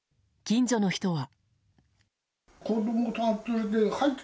近所の人は。